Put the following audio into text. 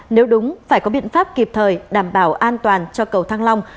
nếu đúng phải có biện pháp kịp thời đảm bảo an toàn cho cầu thăng long